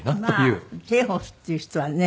まあチェーホフっていう人はね。